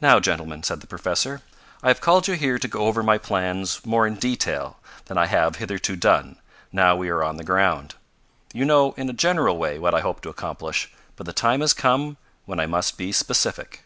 "Now, gentlemen," said the professor, "I have called you here to go over my plans more in detail than I have hitherto done, now we are on the ground. You know in a general way what I hope to accomplish, but the time has come when I must be specific.